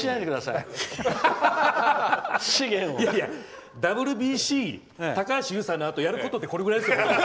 いやいや、ＷＢＣ高橋優さんのあとにやることってこれくらいですよ。